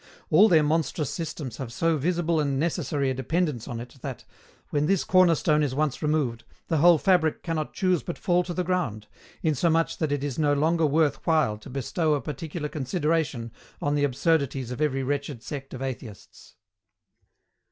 All their monstrous systems have so visible and necessary a dependence on it that, when this corner stone is once removed, the whole fabric cannot choose but fall to the ground, insomuch that it is no longer worth while to bestow a particular consideration on the absurdities of every wretched sect of Atheists.